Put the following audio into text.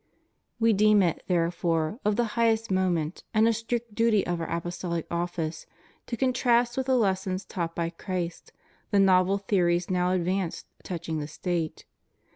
We deem it, therefore, of the highest moment, and a strict duty of Our ApostoHc office, to contrast with the lessons taught by Christ the novel theories now advanced touching the State.